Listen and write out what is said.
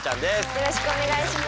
よろしくお願いします。